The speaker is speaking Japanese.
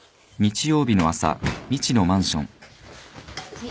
はい。